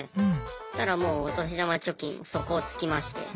そしたらもうお年玉貯金も底をつきまして。